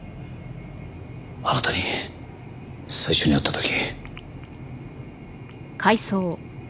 あなたに最初に会った時。